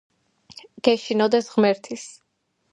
გეშინოდეს ღმერთის